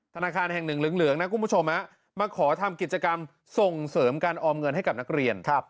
ธนาคารแห่งหนึ่งเหลืองนะคุณผู้ชมมาขอทำกิจกรรมส่งเสริมการออมเงินให้กับนักเรียน